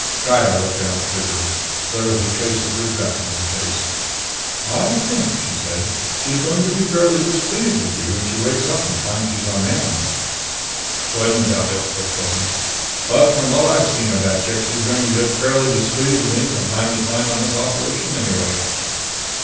Gaya looked down at Trigger. There was a trace of regret in her face. "I think," she said, "she's going to be fairly displeased with you when she wakes up and finds she's on Manon." "Wouldn't doubt it," said Quillan. "But from what I've seen of that chick, she's going to get fairly displeased with me from time to time on this operation anyway."